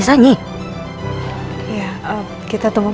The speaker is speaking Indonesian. soalnya mukanya papanya anding tuh tegang banget